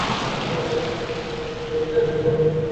আমার বিয়ারটা ধর।